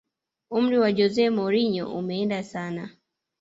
umri wa jose mourinho umeenda sana